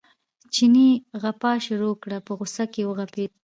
چیني غپا شروع کړه په غوسه کې وغپېد.